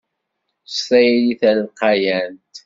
S tayri d talqayant.